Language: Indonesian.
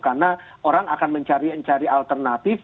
karena orang akan mencari alternatif